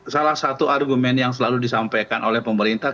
salah satu argumen yang selalu disampaikan oleh pemerintah